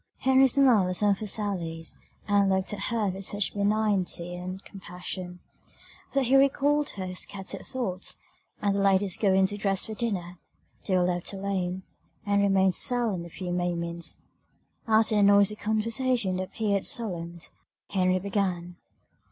Henry smiled at some of her sallies, and looked at her with such benignity and compassion, that he recalled her scattered thoughts; and, the ladies going to dress for dinner, they were left alone; and remained silent a few moments: after the noisy conversation it appeared solemn. Henry began.